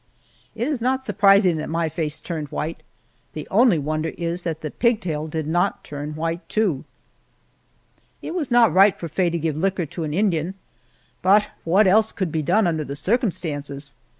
It is not surprising that my face turned white; the only wonder is that the pigtail did not turn white, too! It was not right for Faye to give liquor to an Indian, but what else could be done under the circumstances?